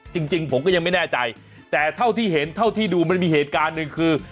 จริงผมก็ยังไม่แน่ใจแต่เท่าที่เห็นเท่าที่ดูมันมีเหตุการณ์หนึ่งคือ